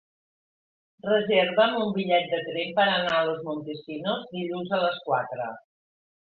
Reserva'm un bitllet de tren per anar a Los Montesinos dilluns a les quatre.